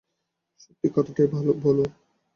সত্যি কথাটাই বলো।